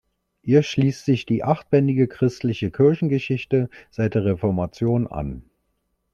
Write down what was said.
Ihr schließt sich die achtbändige "Christliche Kirchengeschichte seit der Reformation" an.